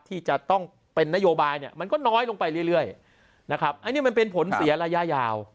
ที่จะต้องเป็นนโยบายเนี่ยมันก็น้อยลงไปเรื่อยนะครับอันนี้มันเป็นผลเสียระยะยาว